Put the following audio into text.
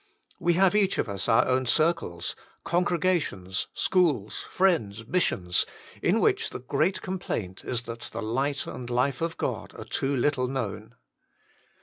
We have each of us our own circles congregations, schools, friends, missions in which the great complaint is that the light and life of God are too little known.